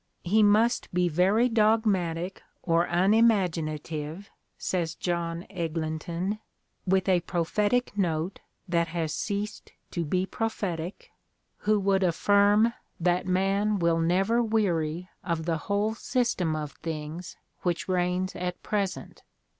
"He must be very dogmatic or unimaginative," says John Eglinton, with a prophetic note that has ceased to be prophetic, "who would affirm that man wiU never weary of the whole system of things which reigns at present.